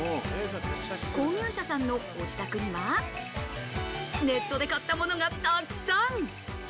購入者さんのご自宅には、ネットで買ったものがたくさん。